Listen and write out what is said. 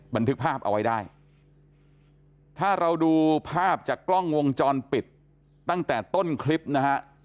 บันทึกภาพเอาไว้ได้ถ้าเราดูภาพจากกล้องวงจรปิดตั้งแต่ต้นคลิปนะฮะ